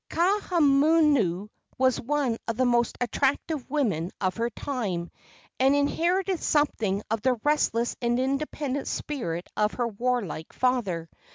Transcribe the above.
Kaahumanu was one of the most attractive women of her time, and inherited something of the restless and independent spirit of her warlike father.